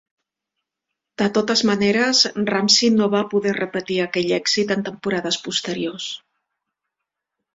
De totes maneres, Ramsay no va poder repetir aquell èxit en temporades posteriors.